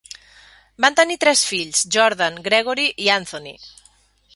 Van tenir tres fills, Jordan, Gregori i Anthony.